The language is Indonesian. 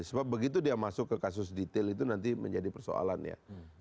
sebab begitu dia masuk ke kasus detail itu nanti menjadi persoalan ya